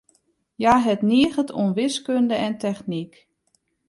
Hja hat niget oan wiskunde en technyk.